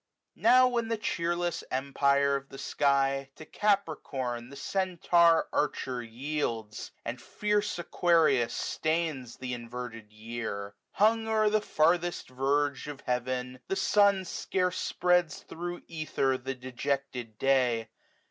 40 Now when the cheerless empire of the sky To Capricorn the Centaur Archer yields. And fierce Aquarius stains th' inverted year ; Hung o'er the farthest verge of heaven, the sun Scarce spreads thro' ether the dejected day.